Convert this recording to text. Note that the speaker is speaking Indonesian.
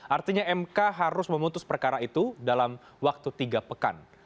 artinya mk harus memutus perkara itu dalam waktu tiga pekan